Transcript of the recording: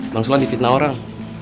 bang sulam di fitnah orang